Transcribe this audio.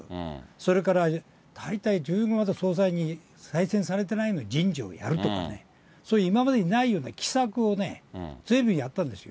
それから、大体、自分も総裁に再選されてないのに人事をやるとかね、そういう今までにないような奇策をね、ずいぶんやったんですよ。